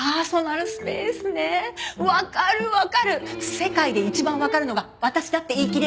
世界で一番わかるのが私だって言い切れる。